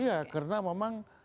iya karena memang